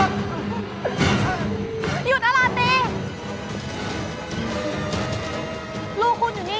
เราไม่สามารถติดต่อกับน้องทางฟัง